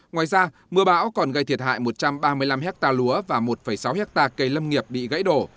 ngoài ra mưa bão còn gây thiệt hại một trăm ba mươi năm hectare lúa và một sáu hectare cây lâm nghiệp bị gãy đổ